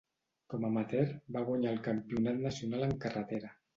Com a amateur va guanyar el campionat nacional en carretera.